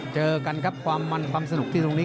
เจอกันครับความมันความสนุกที่ตรงนี้